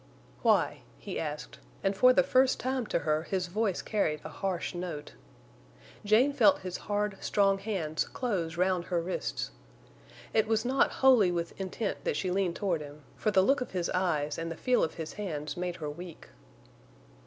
"Why?" he asked, and for the first time to her his voice carried a harsh note. Jane felt his hard, strong hands close round her wrists. It was not wholly with intent that she leaned toward him, for the look of his eyes and the feel of his hands made her weak.